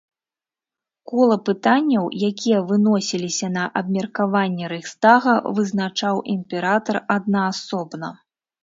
Кола пытанняў, якія выносіліся на абмеркаванне рэйхстага, вызначаў імператар аднаасобна.